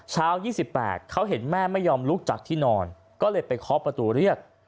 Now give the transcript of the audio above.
๒๘เขาเห็นแม่ไม่ยอมลุกจากที่นอนก็เลยไปเคาะประตูเรียก